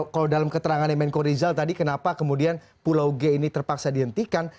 kalau dalam keterangannya menko rizal tadi kenapa kemudian pulau g ini terpaksa dihentikan